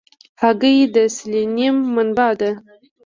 هګۍ د سلینیم منبع ده.